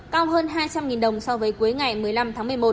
cao hơn hai trăm linh đồng so với cuối ngày một mươi năm tháng một mươi một